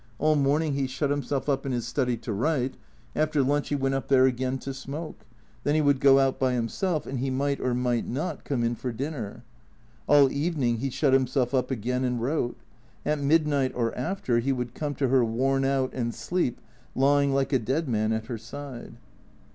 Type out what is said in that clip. All morning he shut himself up in his study to write. After lunch he went up there again to smoke. Then he would go out by himself, and he might or might not come in for dinner. All evening he shut himself up again and wrote. At midnight or after he would come to her, worn out, and sleep, lying like a dead man at her side.